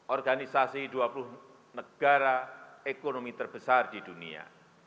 organisasi dua puluh negara ekonomi terbesar di dunia